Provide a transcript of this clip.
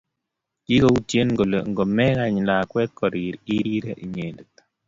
Kikoutye kole ngomekany lakwet korir irire inyendet